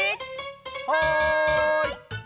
はい！